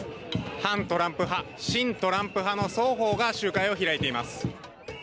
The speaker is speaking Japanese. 反トランプ派、親トランプ派の双方が集会を開いています。